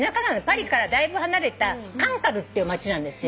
パリからだいぶ離れたカンカルっていう街なんですよ。